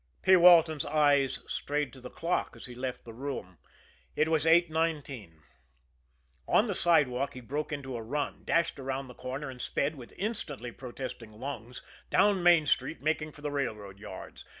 "' P. Walton's eyes strayed to the clock as he left the room it was 8.19. On the sidewalk he broke into a run, dashed around the corner and sped, with instantly protesting lungs, down Main Street, making for the railroad yards.